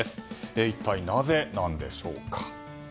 一体なぜなんでしょうか。